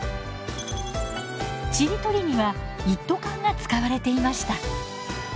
ちりとりには一斗缶が使われていました。